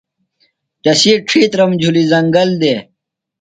تسی ڇِھیترم جُھلیۡ زنگل دےۡ۔